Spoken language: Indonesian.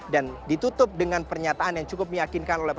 dan ditutup dengan pernyataan yang cukup meyakinkan oleh presiden